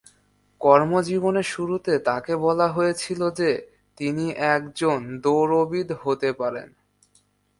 কর্মজীবনের শুরুতে তাকে বলা হয়েছিল যে তিনি একজন দৌড়বিদ হতে পারেন।